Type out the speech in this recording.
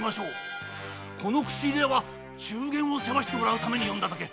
この口入れ屋は中間を世話してもらうために呼んだだけ。